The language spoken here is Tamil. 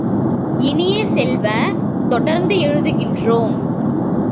இனிய செல்வ, தொடர்ந்து எழுதுகின்றோம்.